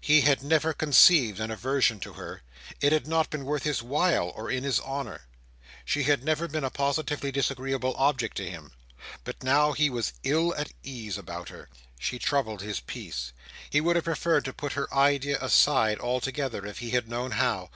He had never conceived an aversion to her: it had not been worth his while or in his humour. She had never been a positively disagreeable object to him. But now he was ill at ease about her. She troubled his peace. He would have preferred to put her idea aside altogether, if he had known how.